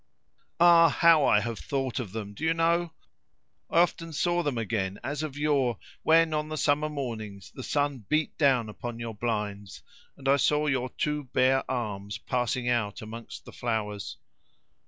"Ah! how I have thought of them, do you know? I often saw them again as of yore, when on the summer mornings the sun beat down upon your blinds, and I saw your two bare arms passing out amongst the flowers."